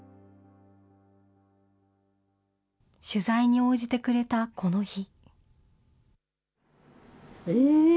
取材に応じてくれたこの日。